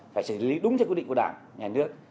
phải xử lý đúng theo quy định của đảng nhà nước